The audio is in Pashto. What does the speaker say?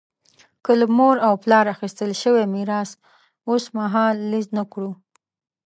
که له مور او پلار اخیستل شوی میراث اوسمهالیز نه کړو.